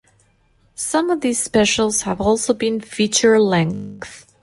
Some of these specials have also been feature-length.